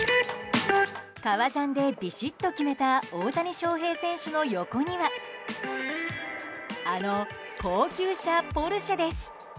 革ジャンでビシッと決めた大谷翔平選手の横にはあの高級車ポルシェです。